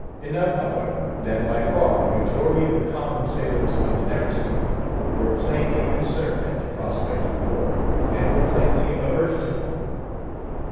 Enough, however, that by far the majority of the common sailors of the Neversink were plainly concerned at the prospect of war, and were plainly averse to it.